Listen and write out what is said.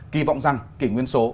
kỳ vọng rằng kỷ nguyên số